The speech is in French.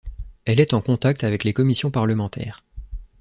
Elle est en contact avec les commissions parlementaires.